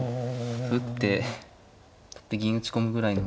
歩打って取って銀打ち込むぐらいの。